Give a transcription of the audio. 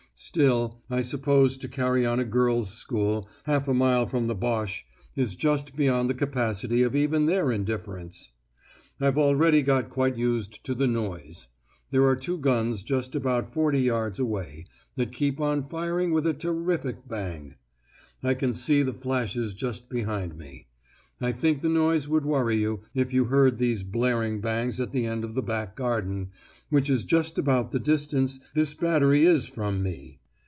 Still, I suppose to carry on a girls' school half a mile from the Boche is just beyond the capacity of even their indifference! I've already got quite used to the noise. There are two guns just about forty yards away, that keep on firing with a terrific bang! I can see the flashes just behind me. I think the noise would worry you, if you heard these blaring bangs at the end of the back garden, which is just about the distance this battery is from me!